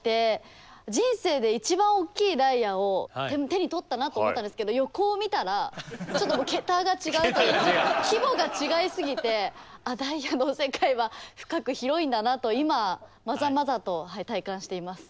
人生で一番大きいダイヤを手に取ったなと思ったんですけど横を見たらちょっと桁が違うというか規模が違いすぎてダイヤの世界は深く広いんだなと今まざまざと体感しています。